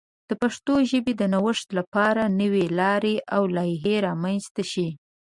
د پښتو ژبې د نوښت لپاره نوې لارې او لایحې رامنځته شي.